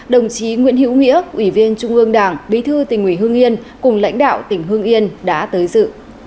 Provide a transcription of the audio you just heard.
đồng chí nguyễn hữu nghĩa ủy viên trung ương đảng bí thư tỉnh ủy hương yên cùng lãnh đạo tỉnh hương yên đã tới dự